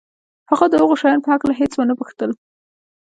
هغه د هغو شیانو په هکله هېڅ ونه پوښتل